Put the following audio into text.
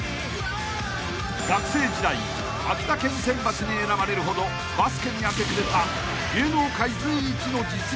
［学生時代秋田県選抜に選ばれるほどバスケに明け暮れた］